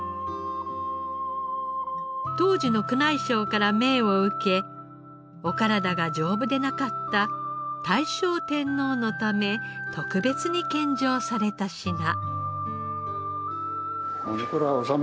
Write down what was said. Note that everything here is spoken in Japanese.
当時の宮内省から命を受けお体が丈夫でなかった大正天皇のため特別に献上された品。